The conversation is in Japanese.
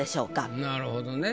なるほどね。